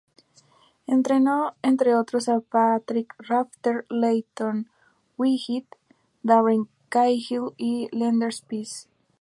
Entrenó, entre otros, a Patrick Rafter, Lleyton Hewitt, Darren Cahill y Leander Paes.